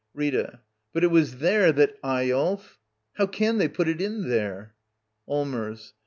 Rita. But it was there that Eyolf —! How can they put in there? Allmers.